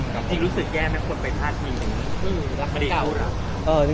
จริงรู้สึกแย่มั้ยคนไปถ้าทิ้งลักษณะเก่านะ